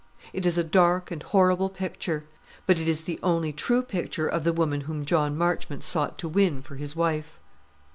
It is a dark and horrible picture; but it is the only true picture of the woman whom John Marchmont sought to win for his wife.